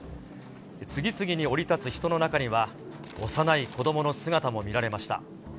次々に降り立つ人の中には、幼い子どもの姿も見られました。